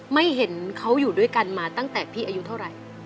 ไม่เห็นเขาอยู่ด้วยกันมาตั้งแต่พี่อายุเท่าไหร่